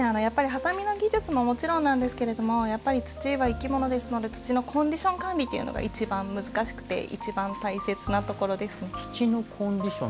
はさみの技術ももちろんなんですけど土は生き物ですので土のコンディション管理が一番難しくて一番大切なところですね。